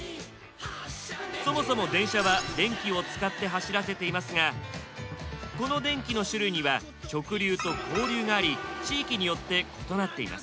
そもそも電車は電気を使って走らせていますがこの電気の種類には直流と交流があり地域によって異なっています。